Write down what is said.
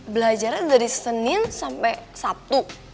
belajaran dari senin sampai sabtu